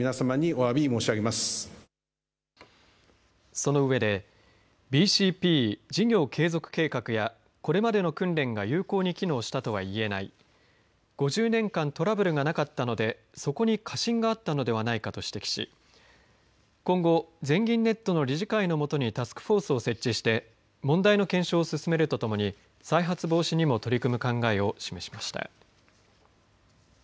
そのうえでＢＣＰ、事業継続計画やこれまでの訓練が有効に機能したとは言えない５０年間トラブルがなかったのでそこに過信があったのではないかと指摘し今後、全銀ネットの理事会の下にタスクフォースを設置して問題の検証を進めるとともに再発防止にも取り組む考えを示しました。